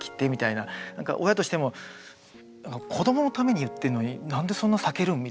なんか親としても子どものために言ってるのになんでそんな避けるんみたいな。